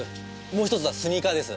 もう１つはスニーカーです。